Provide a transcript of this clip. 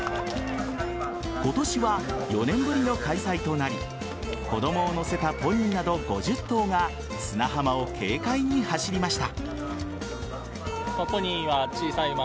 今年は４年ぶりの開催となり子供を乗せたポニーなど５０頭が砂浜を軽快に走りました。